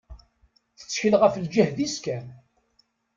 Tettkel ɣef lǧehd-is kan.